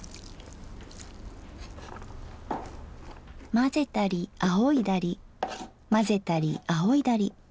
混ぜたりあおいだり混ぜたりあおいだり。